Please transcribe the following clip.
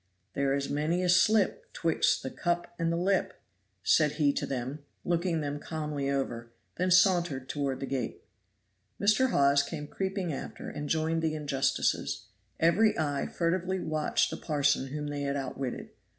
"There is many a slip 'Twixt the cup and the lip," said he to them, looking them calmly over, then sauntered toward the gate. Mr. Hawes came creeping after and joined the injustices; every eye furtively watched the parson whom they had outwitted.